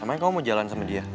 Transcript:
emangnya kamu mau jalan sama dia